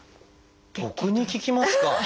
僕に聞きますか？